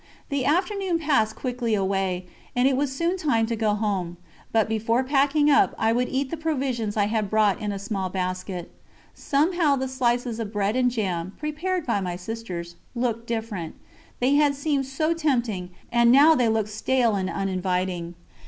The afternoon passed quickly away, and it was soon time to go home, but before packing up I would eat the provisions I had brought in a small basket. Somehow the slices of bread and jam, prepared by my sisters, looked different; they had seemed so tempting, and now they looked stale and uninviting.